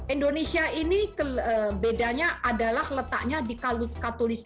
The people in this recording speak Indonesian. indonesia ini bedanya adalah letaknya di katolik